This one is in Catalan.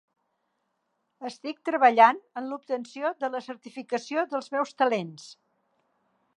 Estic treballant en l'obtenció de la certificació dels meus talents.